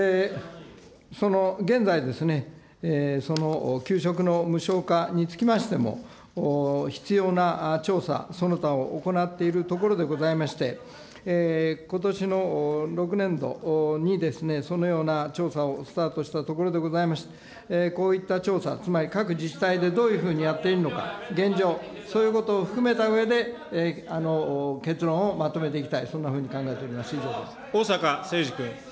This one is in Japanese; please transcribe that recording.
現在ですね、その、給食の無償化につきましても、必要な調査その他を行っているところでございまして、ことしの６年度にですね、そのような調査をスタートしたところでございまして、こういった調査、つまり各自治体でどういうようにやっているのか、現状、そういうことを含めたうえで結論をまとめていきたい、そんなふうに逢坂誠二君。